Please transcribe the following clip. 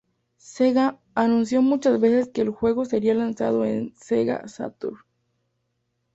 Sega anunció muchas veces que el juego sería lanzado en Sega Saturn.